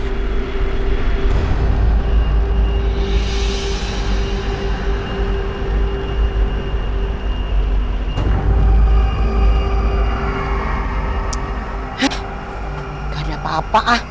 hah gak ada apa apa ah